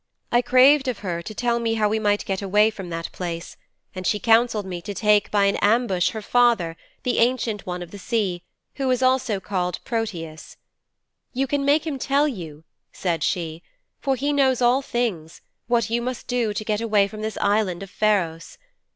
I craved of her to tell me how we might get away from that place, and she counselled me to take by an ambush her father, the Ancient One of the Sea, who is also called Proteus, "You can make him tell you," said she, "for he knows all things, what you must do to get away from this island of Pharos.